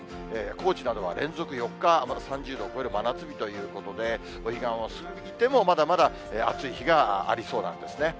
高知などは連続４日、まだ３０度を超える真夏日ということで、お彼岸を過ぎてもまだまだ暑い日がありそうなんですね。